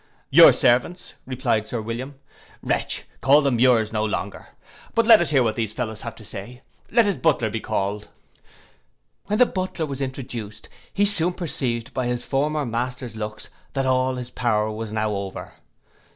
—'Your servants' replied Sir William, 'wretch, call them yours no longer: but come let us hear what those fellows have to say, let his butler be called.' When the butler was introduced, he soon perceived by his former master's looks that all his power was now over.